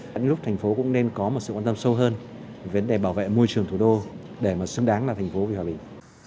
những lúc thành phố cũng nên có một sự quan tâm sâu hơn về vấn đề bảo vệ môi trường thủ đô để mà xứng đáng là thành phố vì hòa bình